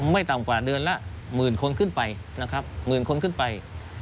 ไม่ต่ำกว่าเดือนละหมื่นคนขึ้นไป